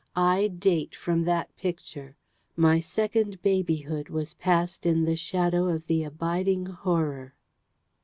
I date from that Picture. My second babyhood was passed in the shadow of the abiding Horror.